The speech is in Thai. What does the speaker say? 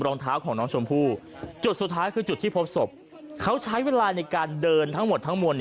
รองเท้าของน้องชมพู่จุดสุดท้ายคือจุดที่พบศพเขาใช้เวลาในการเดินทั้งหมดทั้งมวล